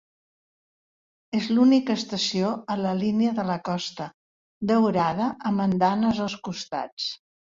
És l'única estació a la línia de la Costa Daurada amb andanes als costats.